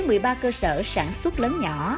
có một mươi ba cơ sở sản xuất lớn nhỏ